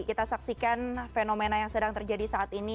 kita saksikan fenomena yang sedang terjadi saat ini